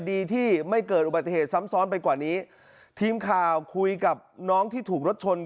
ดีที่ไม่เกิดอุบัติเหตุซ้ำซ้อนไปกว่านี้ทีมข่าวคุยกับน้องที่ถูกรถชน